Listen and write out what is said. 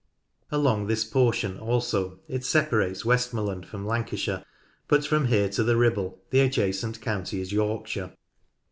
Along this portion also it separates Westmorland from Lancashire, but from here to the Ribble the adjacent county is Yorkshire.